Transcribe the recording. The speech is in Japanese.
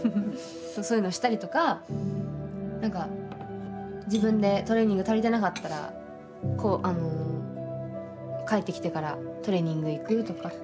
そういうのをしたりとか何か自分でトレーニング足りてなかったら帰ってきてからトレーニング行くとか。